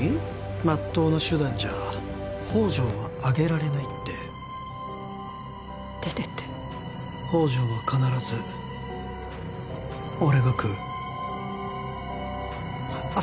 まっとうな手段じゃ宝条は挙げられないって出ていって宝条は必ず俺が喰うあっ